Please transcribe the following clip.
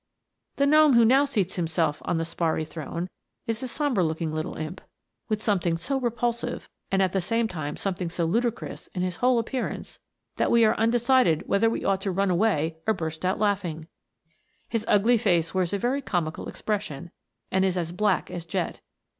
The gnome who now seats himself on the sparry throne is a sombre looking little imp, with some thing so repulsive, and at the same time something so ludicrous, in his whole appearance, that we are undecided whether we ought to run away or burst out laughing. His ugly face wears a very comical expression, and is as black as je't.